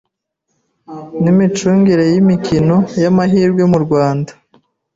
n’imicungire y’imikino y’amahirwe mu Rwanda.